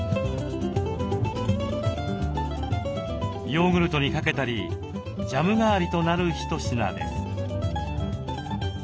ヨーグルトにかけたりジャム代わりとなる一品です。